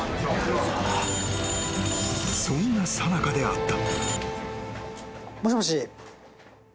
☎［そんなさなかであった］